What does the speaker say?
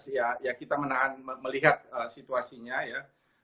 ini masih dalam proses ya kita menahan melihat situasinya